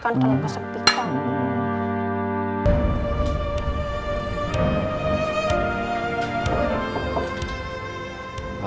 kami kembali ke rumah